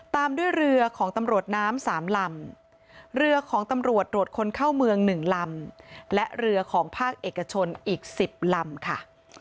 ตามด้วยเรือของตำรวจน้ำสามลำเรือของตำรวจตรวจคนเข้าเมือง๑ลำและเรือของภาคเอกชนอีก๑๐ลำค่ะ